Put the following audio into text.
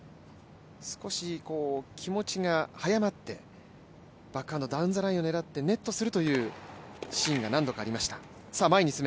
少し気持ちが早まって、バックハンドのダウンザラインを狙ってネットするというシーンが何度かありました。